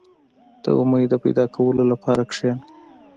• د امید د پیدا کولو لپاره کښېنه.